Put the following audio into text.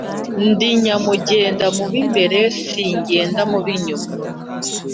Ndi nyamugenda mu b’imbereSingenda mu b’inyuma